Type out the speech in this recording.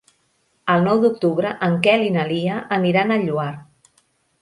El nou d'octubre en Quel i na Lia aniran al Lloar.